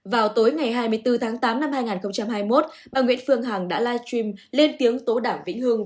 vào tối ngày hai mươi bốn tháng tám năm hai nghìn hai mươi một bà nguyễn phương hằng đã live stream lên tiếng tố đảng vĩnh hương